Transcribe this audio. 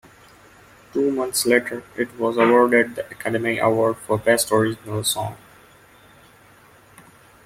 Two months later, it was awarded the Academy Award for Best Original Song.